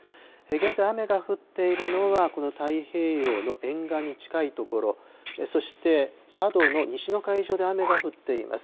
現在、雨が降っているのは、この太平洋の沿岸に近い所、そして佐渡の西の海上で雨が降っています。